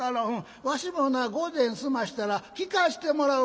わしもなご膳済ませたら聴かしてもらう」。